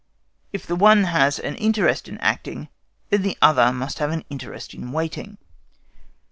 If the one has an interest in acting, then the other must have an interest in waiting.